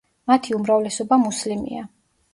მათი უმრავლესობა მუსლიმია.